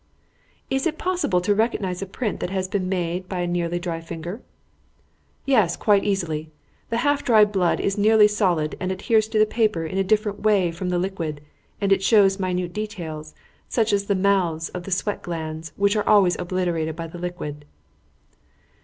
"Is it possible to recognise a print that has been made by a nearly dry finger?" "Yes; quite easily. The half dried blood is nearly solid and adheres to the paper in a different way from the liquid, and it shows minute details, such as the mouths of the sweat glands, which are always obliterated by the liquid."